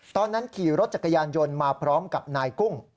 ตอนนั้นขี่รถจักรยานยนต์มาพร้อมกับนายกุ้ง